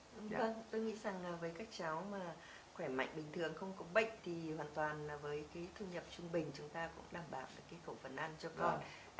vâng tôi nghĩ rằng với các cháu khỏe mạnh bình thường không có bệnh thì hoàn toàn với thu nhập trung bình chúng ta cũng đảm bảo được cộng phần ăn cho con